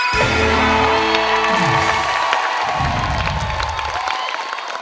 หยุดนะครับ